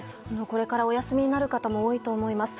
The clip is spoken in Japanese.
これからお休みになる方も多いと思います。